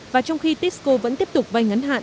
và trong khi tisco vẫn tiếp tục vay ngắn hạn